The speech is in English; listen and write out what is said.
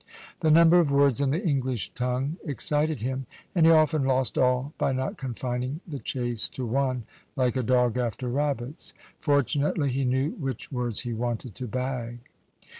The number of words in the English tongue excited him, and he often lost all by not confining the chase to one, like a dog after rabbits. Fortunately, he knew which words he wanted to bag.